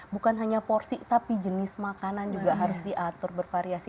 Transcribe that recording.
bukan hanya porsi tapi jenis makanan juga harus diatur bervariasi